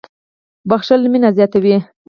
• بښل مینه زیاتوي.